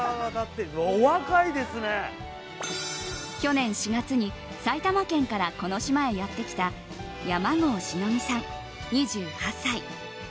去年４月に埼玉県からこの島へやってきた山郷志乃美さん、２８歳。